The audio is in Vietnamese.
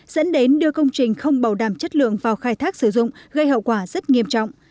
dẫn đến đưa công trình không bảo đảm chất lượng vào khai thác sử dụng gây hậu quả rất nghiêm trọng